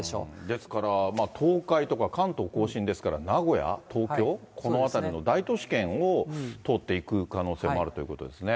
ですから東海とか関東甲信ですから、名古屋、東京、この辺りの大都市圏を通っていく可能性もあるということですね。